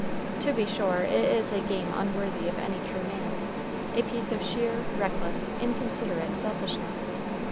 To be sure it is a game unworthy of any true man, a piece of sheer, reckless, inconsiderate selfishness.